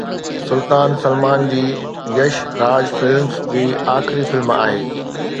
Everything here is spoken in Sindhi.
سلطان سلمان جي يش راج فلمز جي آخري فلم آهي